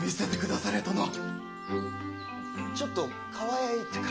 ちょっと厠へ行ってから。